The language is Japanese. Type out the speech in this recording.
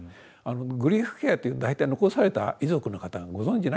グリーフケアって大体残された遺族の方はご存じないんですね。